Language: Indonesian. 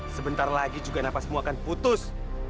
sebentar lagi juga napasmu akan putus